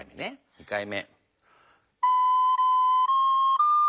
２回目。